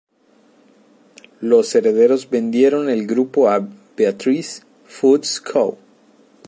Los herederos vendieron el grupo a Beatrice Foods Co.